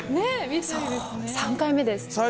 そう３回目です。